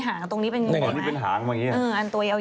ก็คิดว่ามันเป็นหางไหมอ่านตัวเยาว์อยาไม่เป็นของงู